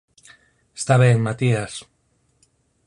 Está ben, Matías.